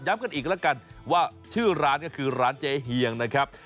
กันอีกแล้วกันว่าชื่อร้านก็คือร้านเจ๊เฮียงนะครับ